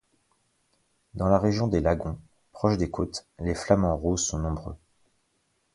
Dans la région des lagons, proche des côtes, les flamants roses sont nombreux.